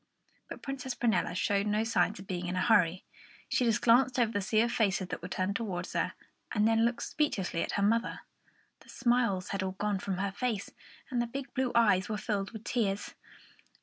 But Princess Prunella showed no signs of being in a hurry. She just glanced over the sea of faces that were turned towards her, and then looked speechlessly at her mother. The smiles had all gone from her face, and the big blue eyes were filled with tears.